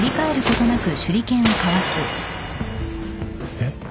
えっ？